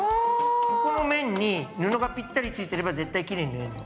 ここの面に布がぴったりついてれば絶対きれいに縫えるの。